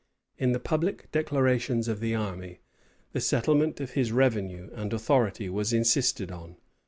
In the public declarations of the army, the settlement of his revenue and authority was insisted on.